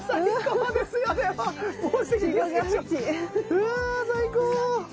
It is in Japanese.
うわ最高！